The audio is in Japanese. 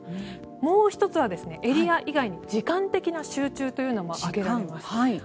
もう１つはエリア以外に時間的な集中というのもあります。